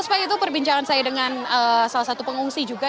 baik itu perbincangan saya dengan salah satu pengungsi juga